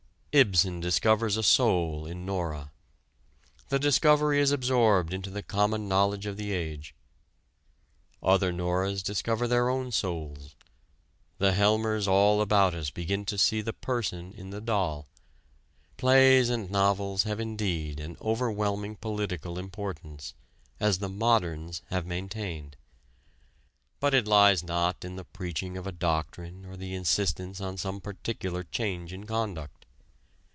Ibsen discovers a soul in Nora: the discovery is absorbed into the common knowledge of the age. Other Noras discover their own souls; the Helmers all about us begin to see the person in the doll. Plays and novels have indeed an overwhelming political importance, as the "moderns" have maintained. But it lies not in the preaching of a doctrine or the insistence on some particular change in conduct.